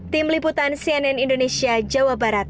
tim liputan cnn indonesia jawa barat